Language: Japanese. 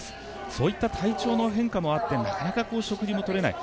そういった体調の変化もあってなかなか食事もとれない。